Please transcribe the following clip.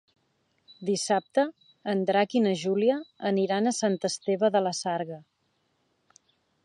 Dissabte en Drac i na Júlia aniran a Sant Esteve de la Sarga.